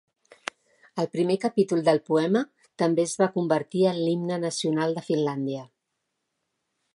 El primer capítol del poema també es va convertir en l'himne nacional de Finlàndia.